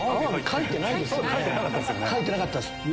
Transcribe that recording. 書いてなかったですよね。